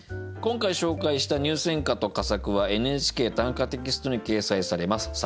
今回紹介した入選歌と佳作は「ＮＨＫ短歌」テキストに掲載されます。